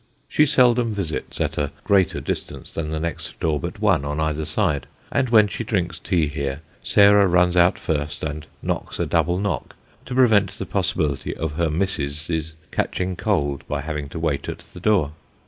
She seldom visits at a greater distance than the next door but one on either side; and when she drinks tea here, Sarah runs out first and knocks a double knock, to prevent the possibility of her " Missis's " catching cold by having to 8 Sketches by Bos. wait at the door.